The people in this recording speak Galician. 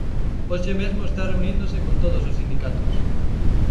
Hoxe mesmo está reuníndose con todos os sindicatos.